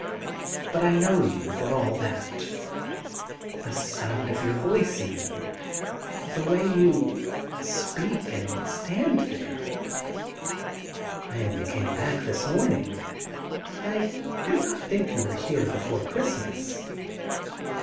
... But I know you, for all that — the sound of your voice even, the way you speak and stand there.' 'I only came back this morning. I do not think you were here before Christmas.'